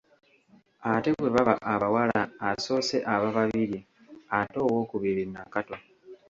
Ate bwe baba abawala asoose aba Babirye ate owookubiri Nakato.